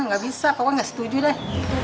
nggak bisa pokoknya nggak setuju deh